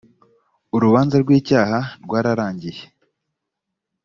urubanza rw ‘icyaha rwarangiye.